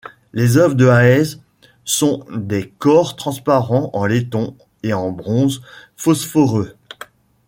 Les œuvres de Haese sont des corps transparents en laiton et en bronze phosphoreux.